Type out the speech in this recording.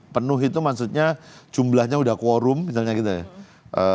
penuh itu maksudnya jumlahnya sudah quorum misalnya gitu ya